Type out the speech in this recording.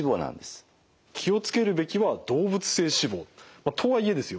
気を付けるべきは動物性脂肪。とはいえですよ